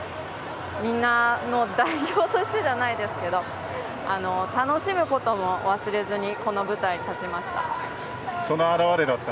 みんなの代表としてじゃないですけど楽しむことも忘れずこの舞台に立ちました。